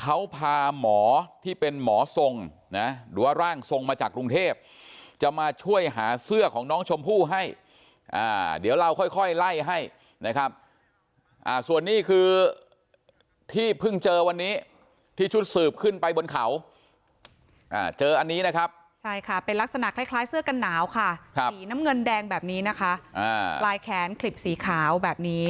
เขาพาหมอที่เป็นหมอทรงนะหรือว่าร่างทรงมาจากกรุงเทพจะมาช่วยหาเสื้อของน้องชมพู่ให้เดี๋ยวเราค่อยไล่ให้นะครับส่วนนี้คือที่เพิ่งเจอวันนี้ที่ชุดสืบขึ้นไปบนเขาเจออันนี้นะครับใช่ค่ะเป็นลักษณะคล้ายเสื้อกันหนาวค่ะสีน้ำเงินแดงแบบนี้นะคะปลายแขนคลิปสีขาวแบบนี้